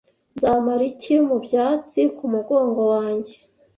nzamara icyi mu byatsi ku mugongo wanjye